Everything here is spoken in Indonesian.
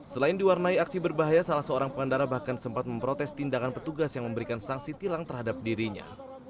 selain diwarnai aksi berbahaya salah seorang pengendara bahkan sempat memprotes tindakan petugas yang memberikan sanksi tilang terhadap dirinya